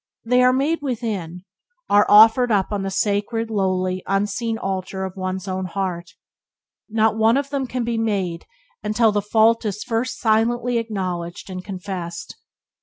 They are made within; are offered up on the sacred, lonely, unseen altar of one's own heart. Not one of them can be made until the fault is first silently acknowledged and confessed.